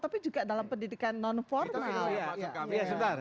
tapi juga dalam pendidikan non formal